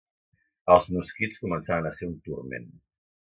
Els mosquits començaven a ser un turment